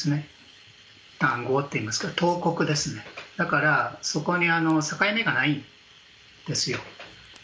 だからそこに境目がないんですよ。